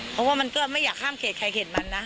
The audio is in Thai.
เพราะว่ามันก็ไม่อยากข้ามเขตใครเขตมันนะ